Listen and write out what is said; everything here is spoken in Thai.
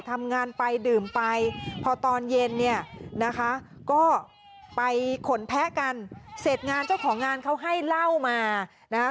ทำงานไปดื่มไปพอตอนเย็นเนี่ยนะคะก็ไปขนแพ้กันเสร็จงานเจ้าของงานเขาให้เหล้ามานะคะ